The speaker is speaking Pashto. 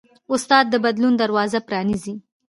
استاد د بدلون دروازه پرانیزي.